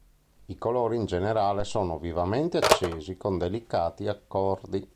I colori in generale sono vivamente accesi con delicati accordi.